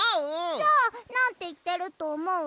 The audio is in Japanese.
じゃあなんていってるとおもう？